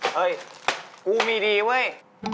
เฮ้ยกูมีดีเว้ย